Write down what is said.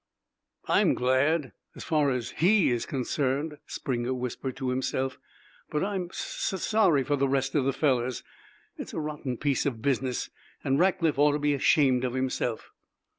"I'm glad as far as he is concerned," Springer whispered to himself; "but I'm sus sorry for the rest of the fellows. It's a rotten piece of business, and Rackliff ought to be ashamed of himself."